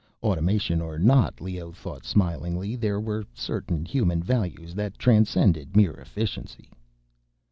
Automation or not, Leoh thought smilingly, there were certain human values that transcended mere efficiency.